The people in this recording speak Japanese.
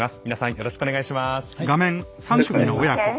よろしくお願いします。